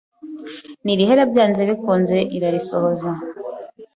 ntirihera byanze bikunze irarisohoza.